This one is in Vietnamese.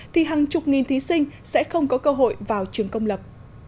thì hàng chục nghìn thí sinh sẽ không có cơ hội vào trường công lập